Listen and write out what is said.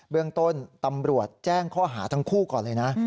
เรื่องต้นตำรวจแจ้งข้อหาทั้งคู่ก่อนเลยนะ